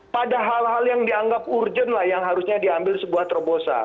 padahal hal hal yang dianggap urgent lah yang harusnya diambil sebuah terobosan